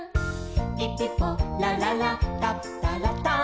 「ピピポラララタプタラタン」